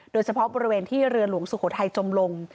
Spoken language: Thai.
โดยเฉพาะบริเวณที่เรือหลวงสุโขทัยจมลง